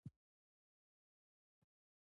موږ نشو کولی چې غیر موجود توکی وپېرو یا وپلورو